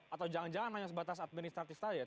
atau jangan jangan hanya sebatas administratif saja